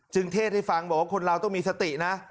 เทศให้ฟังบอกว่าคนเราต้องมีสตินะ